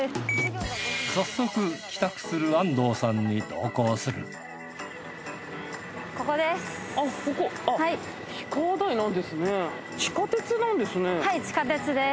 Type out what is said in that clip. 早速帰宅する安藤さんに同行するはい地下鉄です。